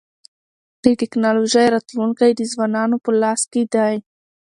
د ټکنالوژی راتلونکی د ځوانانو په لاس کي دی.